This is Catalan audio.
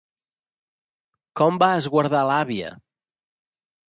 Com va esguardar l'àvia?